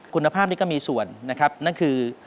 คุณภาพนี้ก็มีส่วนนะครับนั่นคือ